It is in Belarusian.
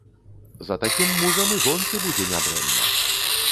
За такім мужам і жонцы будзе нядрэнна.